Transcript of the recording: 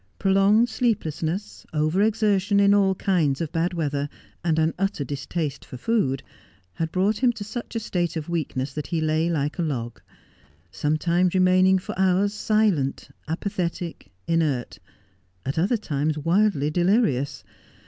Prolonged sleeplessness, over exertion in all kinds of bad weather, and an utter distaste for food, had brought him to such a state of weakness that he lay like a log ; sometimes remaining for hours silent, apathetic, inert ; at other times wildly delirious.